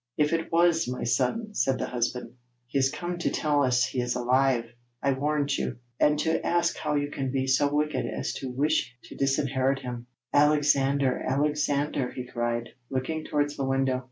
'If it was my son,' said the husband, 'he is come to tell us he is alive, I warrant you, and to ask how you can be so wicked as to wish to disinherit him. Alexander! Alexander!' he cried, looking towards the window.